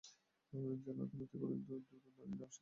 জেলা আদালত অনেক দূর, নারীরা আবার সেখানে নানা কারণে যেতে চান না।